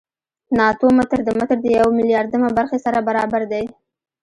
ناتو متر د متر د یو میلیاردمه برخې سره برابر دی.